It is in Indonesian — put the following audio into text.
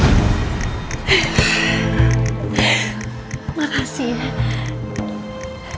kamu sudah berhasil membawa mustikasyon itu